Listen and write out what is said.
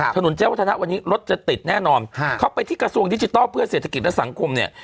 ถนนเจ้าวัฒนะวันนี้รถจะติดแน่นอนเขาไปที่กระทรวงดิจิทัลเพื่อเศรษฐกิจและสังคมเนี่ย